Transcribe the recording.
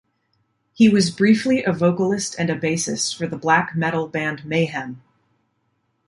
He was briefly a vocalist and a bassist for the black metal band Mayhem.